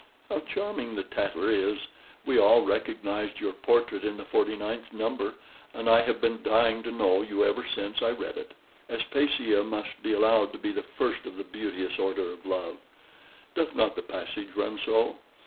How charming the 'Tatler' is! We all recognized your portrait in the 49th number, and I have been dying to know you ever since I read it. 'Aspasia must be allowed to be the first of the beauteous order of love.' Doth not the passage run so?